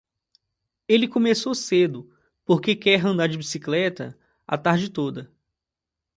Ele começou cedo porque quer andar de bicicleta a tarde toda.